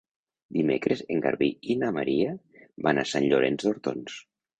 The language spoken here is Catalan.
Dimecres en Garbí i na Maria van a Sant Llorenç d'Hortons.